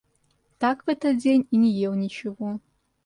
Так в этот день и не ел ничего.